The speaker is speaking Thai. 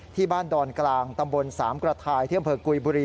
ที่บ้านดอนกลางตำบลสามกระทายเที่ยงเผลอกุยบุรี